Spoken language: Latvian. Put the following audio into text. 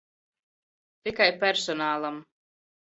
Tikai personālam.